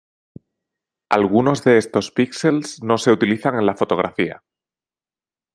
Algunos de estos pixels no se utilizan en la fotografía.